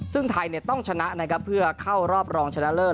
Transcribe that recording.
ซึ่งไทยต้องชนะนะครับเพื่อเข้ารอบรองชนะเลิศ